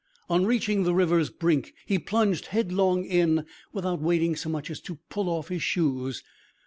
On reaching the river's brink, he plunged headlong in, without waiting so much as to pull off his shoes.